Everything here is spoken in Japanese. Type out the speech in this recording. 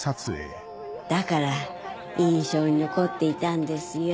だから印象に残っていたんですよ。